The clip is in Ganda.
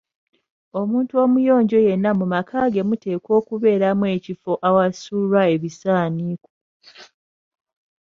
Omuntu omuyonjo yenna mu maka ge muteekwa okubeeramu ekifo awasulwa ebisaaniiko.